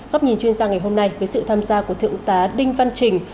góc nhìn chuyên gia ngày hôm nay với sự tham gia của thượng tá đinh văn trình